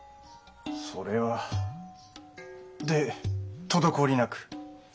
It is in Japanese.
それは。で滞りなく？